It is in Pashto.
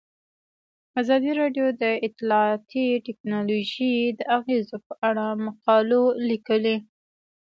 ازادي راډیو د اطلاعاتی تکنالوژي د اغیزو په اړه مقالو لیکلي.